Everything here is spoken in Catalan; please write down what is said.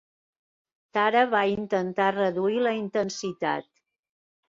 Tara va intentar reduir la intensitat.